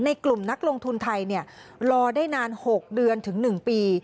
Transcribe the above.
กลุ่มนักลงทุนไทยรอได้นาน๖เดือนถึง๑ปี